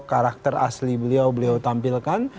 karakter asli beliau beliau tampilkan